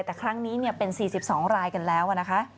แต่ครั้งนี้เป็น๔๒รายกันแล้วนะคะ